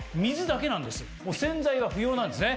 洗剤は不要なんですね。